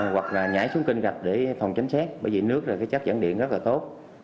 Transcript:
hoặc là nhảy xuống kênh gặp để phòng chánh xét bởi vì nước là chất dẫn điện rất là tốt